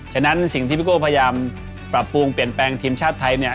ฉะนั้นสิ่งที่พี่โก้พยายามปรับปรุงเปลี่ยนแปลงทีมชาติไทยเนี่ย